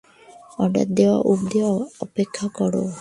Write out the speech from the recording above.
Order দেয়া অব্ধি অপেক্ষা কর।